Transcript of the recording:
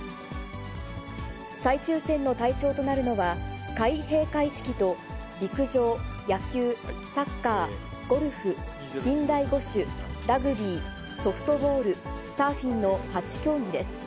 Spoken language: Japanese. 再抽せんの対象となるのは、開閉会式と陸上、野球、サッカー、ゴルフ、近代五種、ラグビー、ソフトボール、サーフィンの８競技です。